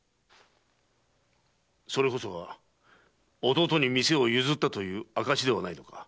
それこそが弟に店を譲ったという証ではないのか？